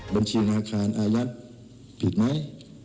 บัญชีธนาคารอายัดผิดไหม